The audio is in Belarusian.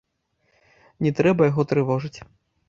Не трэба яго трывожыць.